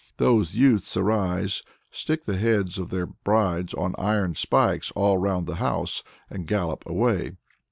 Those youths arise, stick the heads of their brides on iron spikes all round the house, and gallop away.